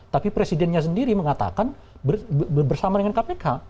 tapi presidennya sendiri mengatakan bersama dengan kpk